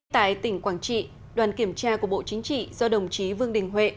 tại tỉnh quảng trị đoàn kiểm tra của bộ chính trị do đồng chí vương đình huệ